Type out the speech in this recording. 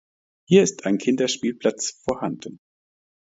Hier ist ein Kinderspielplatz vorhanden.